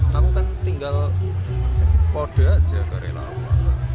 tapi kan tinggal kode saja ke relawan